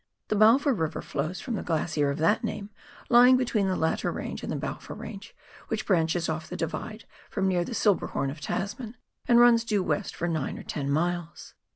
The Balfour River flows from the glacier of that name, lying between the latter range and the Balfour Range, which branches off the Divide from near the Silber horn of Tasman, and runs due we>,t for nine or ten miles.